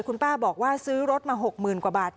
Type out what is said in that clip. คุณป้าบอกว่าซื้อรถมา๖๐๐๐กว่าบาท